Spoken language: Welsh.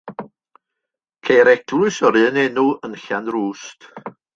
Ceir eglwys o'r un enw yn Llanrwst.